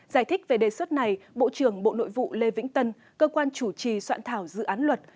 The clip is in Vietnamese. giải thích về đề xuất này bộ trưởng bộ nội vụ lê vĩnh tân cơ quan chủ trì soạn thảo dự án luật